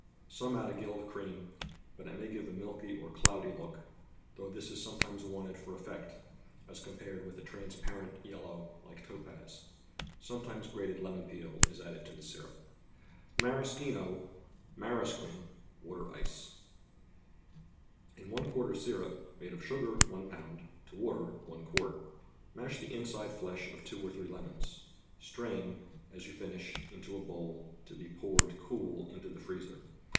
Some add a gill of cream, but it may give a milky or cloudy look; though this is sometimes wanted for effect, as compared with a transpar¬ ent yellow, like topaz. Sometimes grated lemon peel is added to the syrup. Si^aragi^tno (^aragqufn) stater Cjjrp In one quart of syrup (made of sugar, one pound to water, one quart), mash the inside flesh of two or three lemons. Strain, as you finish, into a bowl to be poured, cool, into the freezer.